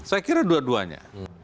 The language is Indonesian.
saya kira dua duanya